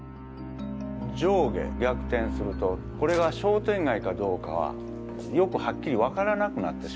上下逆転するとこれが商店街かどうかはよくはっきりわからなくなってしまいます。